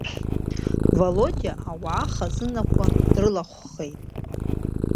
Володиа ауаа хазынахәқәа дрылахәхеит.